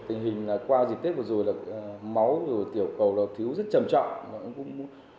tình hình là qua dịch tết vừa rồi là máu rồi tiểu cầu là thiếu rất trầm trọng